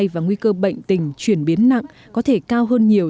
và nguy cơ bệnh tình chuyển biến nặng có thể cao hơn nhiều